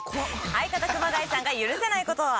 相方熊谷さんが許せない事は？